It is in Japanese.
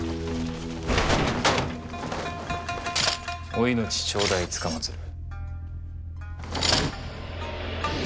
お命頂戴つかまつる。